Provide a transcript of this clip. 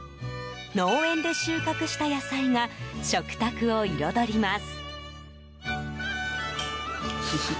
農園で収穫した野菜が食卓を彩ります。